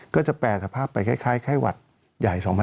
ก็จะแปรสภาพไปคล้ายไข้หวัดใหญ่๒๐